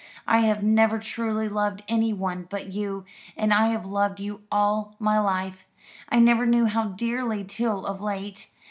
I have never truly loved anyone but you, and I have loved you all my life I never knew how dearly till of late.